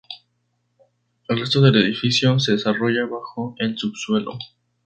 El resto del edificio se desarrolla bajo el subsuelo.